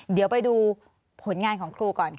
เดี๋ยวไปดูผลงานของครูก่อนค่ะ